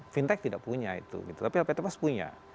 fintech tidak punya itu tapi lpt pas punya